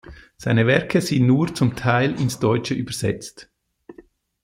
Seine Werke sind nur zum Teil ins Deutsche übersetzt.